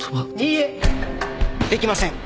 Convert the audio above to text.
いいえできません。